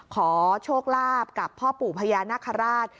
ขอโชคลาภกับพ่อปู่พญานาคาราช